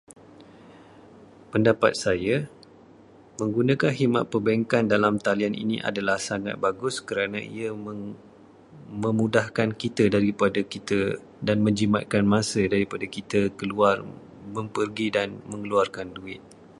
Pendapat saya, menggunakan khidmat perbankan dalam talian ini adalah sangat bagus kerana ia dan memudahkan kita daripada kita- dan menjimatkan masa daripada kita keluar pergi dan mengeluarkan duit.